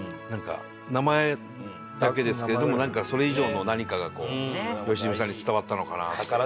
名前だけですけれどもなんかそれ以上の何かがこう良純さんに伝わったのかなと思いました。